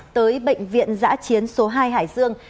tới bệnh viện giã chiến số hai hải dương